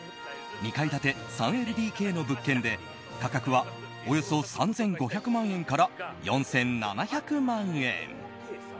２階建て３ＬＤＫの物件で価格はおよそ３５００万円から４７００万円。